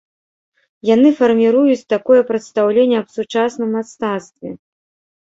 Яны фарміруюць такое прадстаўленне аб сучасным мастацтве.